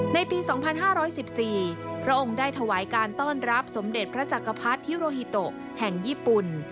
ในปี๒๕๑๔พระองค์ได้ถวายการต้อนรับสมเด็จพระจักรพรรดิฮิโรฮิโตแห่งญี่ปุ่น